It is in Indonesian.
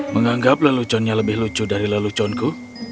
menganggap leluconnya lebih lucu dari leluconku